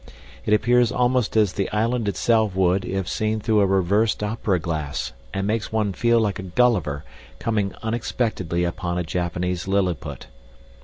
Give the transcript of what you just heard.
It appears almost as the island itself would if seen through a reversed opera glass and makes one feel like a Gulliver coming unexpectedly upon a Japanese Lilliput.